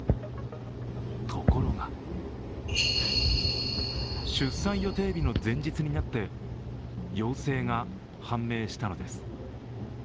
ところが、出産予定日の前日になって陽性が判明したのです。